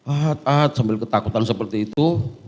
ahat ahat sambil ketakutan seperti itu